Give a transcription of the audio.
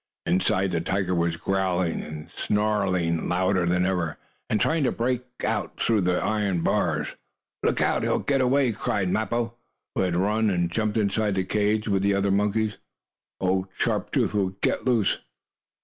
Inside, the tiger was growling and snarling louder than ever, and trying to break out through the iron bars. "Look out! He'll get away!" cried Mappo, who had run and jumped inside the cage with the other monkeys. "Old Sharp Tooth will get loose."